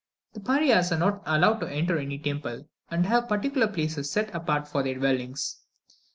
The Parias are not allowed to enter any temple, and have particular places set apart for their dwellings.